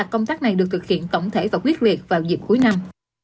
công tác này được thực hiện tổng thể và quyết liệt vào dịp cuối năm